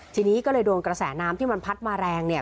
ทีนี้ก็เลยโดนกระแสน้ำที่มันพัดมาแรงเนี่ย